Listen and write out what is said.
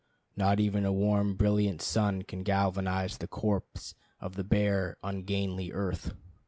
Not even a warm, brilliant sun can galvanize the corpse of the bare ungainly earth.